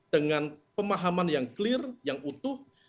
dengan pemahaman yang clear yang utuh